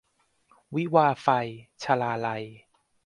วิวาห์ไฟ - ชลาลัย